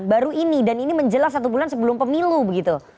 baru ini dan ini menjelang satu bulan sebelum pemilu begitu